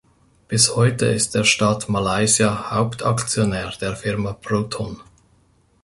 Bis heute ist der Staat Malaysia Hauptaktionär der Firma Proton.